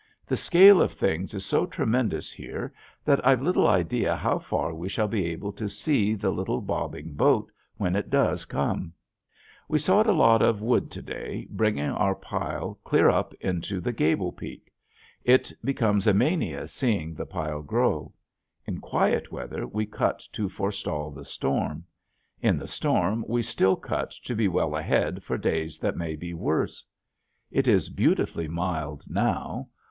The scale of things is so tremendous here that I've little idea how far we shall be able to see the little, bobbing boat when it does come. We sawed a lot of wood to day bringing our pile clear up into the gable peak. It becomes a mania seeing the pile grow. In quiet weather we cut to forestall the storm; in the storm we still cut to be well ahead for days that may be worse. It is beautifully mild now.